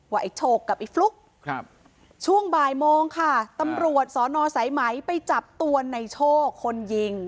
ไอ้โชคกับไอ้ฟลุ๊กครับช่วงบ่ายโมงค่ะตำรวจสอนอสายไหมไปจับตัวในโชคคนยิง